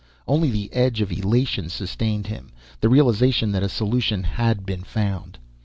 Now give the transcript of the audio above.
Only the edge of elation sustained him; the realization that a solution had been found.